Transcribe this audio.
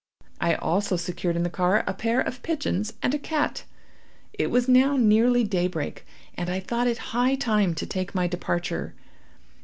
I also secured in the car a pair of pigeons and a cat. It was now nearly daybreak, and I thought it high time to take my departure.